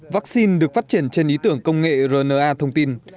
vaccine được phát triển trên ý tưởng công nghệ rna thông tin